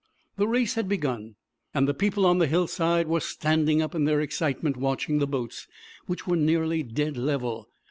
The race had begun, and the people on the hillside were standing up in their excitement watching the boats, which were nearly dead level.